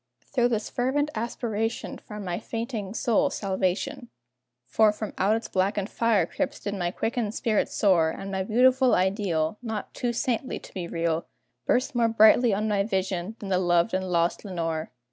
Through this fervent aspiration Found my fainting soul salvation, For from out its blackened fire crypts did my quickened spirit soar; And my beautiful ideal Not too saintly to be real Burst more brightly on my vision than the loved and lost Lenore.